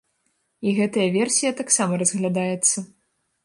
І гэтая версія таксама разглядаецца.